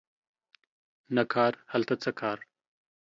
نه کار هلته څه کار